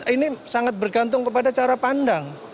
ini sangat bergantung kepada cara pandang